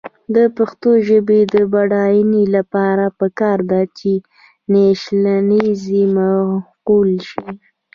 د پښتو ژبې د بډاینې لپاره پکار ده چې نیشنلېزم معقول شي.